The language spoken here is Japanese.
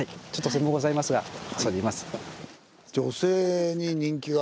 ちょっと狭うございますが。